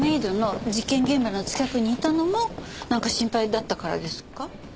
現場の近くにいたのもなんか心配だったからですか？